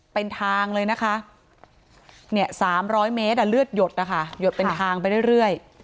เป็นทางเลยนะคะ๓๐๐เมตรเลือดหยดนะคะหยดเป็นทางไปเรื่อย